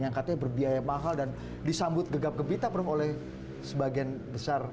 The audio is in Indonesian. yang katanya berbiaya mahal dan disambut gegap gempita oleh sebagian besar